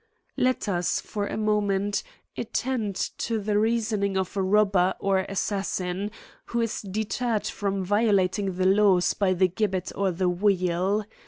Let us, for a moment, attend to the reasoning of a robber" or assassin, who is deterred from viola ting the laws by the gibbet or the wheel.